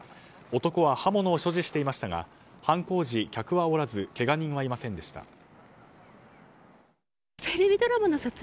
男は刃物を所持していましたが犯行時、客はおらずけが人はいませんでした。